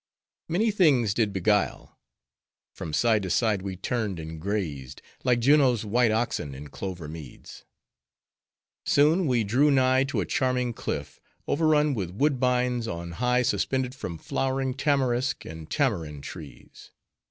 Many things did beguile. From side to side, we turned and grazed, like Juno's white oxen in clover meads. Soon, we drew nigh to a charming cliff, overrun with woodbines, on high suspended from flowering Tamarisk and Tamarind trees.